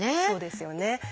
そうですよね。